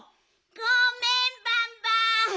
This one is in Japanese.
ごめんバンバン。